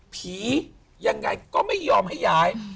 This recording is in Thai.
ยังไงก็ไม่ยอมให้ย้าย